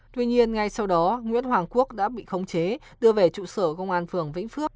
tuy nhiên ngay sau đó nguyễn hoàng quốc đã bị khống chế đưa về trụ sở công an phường vĩnh phước